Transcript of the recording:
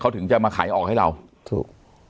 เขาถึงจะมาขายออกให้เราถูก